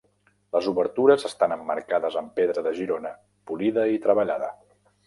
Les obertures estan emmarcades amb pedra de Girona polida i treballada.